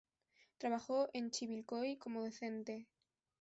Trabajó en Chivilcoy, como docente.